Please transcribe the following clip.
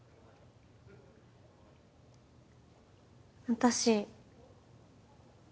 私。